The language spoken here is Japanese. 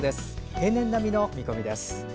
平年並みの見込みです。